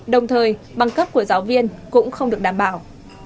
đồng thời bằng cấp của giáo viên cũng không được đảm bảo